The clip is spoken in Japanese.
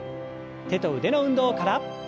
手と腕の運動から。